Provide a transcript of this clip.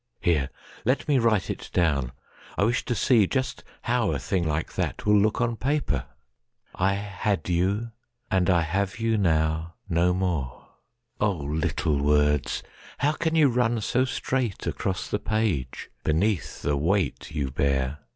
Here, let me write it down! I wish to seeJust how a thing like that will look on paper!"I had you and I have you now no more."O little words, how can you run so straightAcross the page, beneath the weight you bear?